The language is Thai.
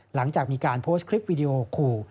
หลังจากมีการโพสต์คลิปวิดีโอขู่